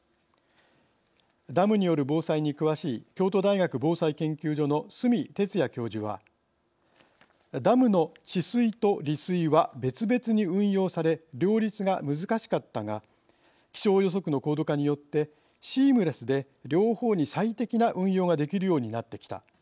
ダムによる防災に詳しい京都大学防災研究所の角哲也教授はダムの治水と利水は別々に運用され両立が難しかったが気象予測の高度化によってシームレスで両方に最適な運用ができるようになってきた。